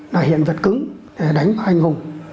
là hiện vật cứng để đánh vào anh hùng